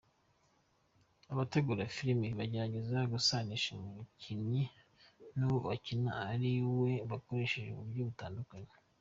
Abategura filime bagerageza gusanisha umukinnyi n’uwo akina ari we bakoresheje uburyo butandukanye.